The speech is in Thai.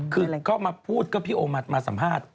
คือก็มาพูดก็พี่โอมาสัมภาษณ์